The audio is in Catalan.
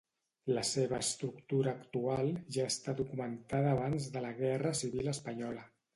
La seva estructura actual ja està documentada abans de la Guerra Civil espanyola.